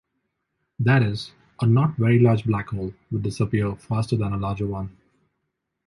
That is, a not very large black hole will disappear faster than a larger one.